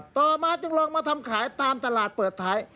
ต่อมาจึงลองมาทำขายตามตลาดเปิดท้าย